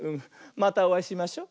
またおあいしましょ。